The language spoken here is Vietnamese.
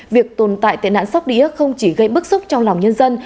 việc tồn tại tệ nạn sóc đĩa không chỉ gây bức xúc trong lòng nhân dân